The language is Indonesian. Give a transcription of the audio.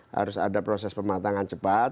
harus ada proses pematangan cepat